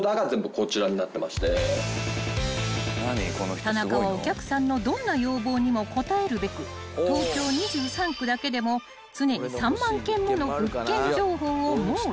［田中はお客さんのどんな要望にも応えるべく東京２３区だけでも常に３万件もの物件情報を網羅］